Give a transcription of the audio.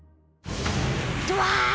どわ！